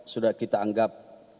sudah kita anggap